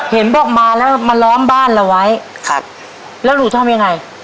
เห็นบอกมาแล้วมาล้อมบ้านเราไว้ครับแล้วหนูทำยังไง